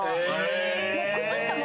もう靴下も。